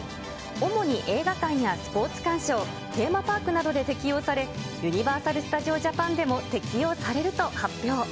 主に映画館やスポーツ鑑賞、テーマパークなどで適用され、ユニバーサル・スタジオ・ジャパンでも適用されると発表。